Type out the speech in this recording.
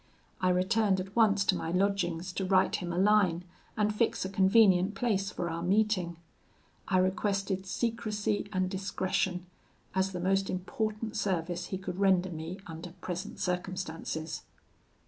I returned at once to my lodgings to write him a line, and fix a convenient place for our meeting. I requested secrecy and discretion, as the most important service he could render me under present circumstances.